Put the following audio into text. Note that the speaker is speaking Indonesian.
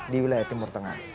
di wilayah timur tengah